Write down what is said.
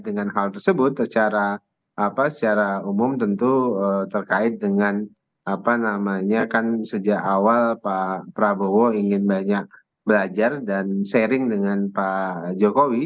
dan hal tersebut secara umum tentu terkait dengan apa namanya kan sejak awal pak prabowo ingin banyak belajar dan sharing dengan pak jokowi